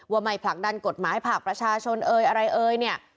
ไม่ผลักดันกฎหมายผ่าประชาชนเอ่ยอะไรเอ่ยเนี่ย